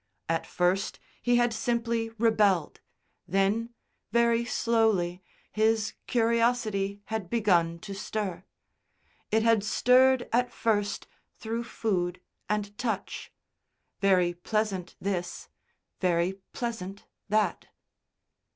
At first he had simply rebelled; then, very slowly, his curiosity had begun to stir. It had stirred at first through food and touch; very pleasant this, very pleasant that.